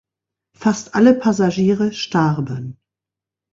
Fast alle Passagiere starben.